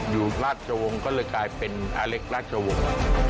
อยู่ราชวงศ์ก็เลยกลายเป็นอเล็กราชวงศ์